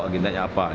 kalau agendanya apa